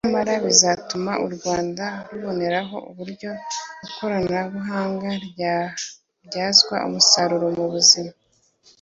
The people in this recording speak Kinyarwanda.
nyamara bizatuma u Rwanda ruboneraho uburyo ikoranabuhanga ryabyazwa umusaruro mu buhinzi”